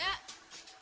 lo gak belanja